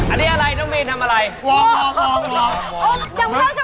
อันนี้อะไรน้องมีนทำอะไร